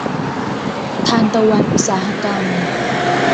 ทานตะวันอุตสาหกรรม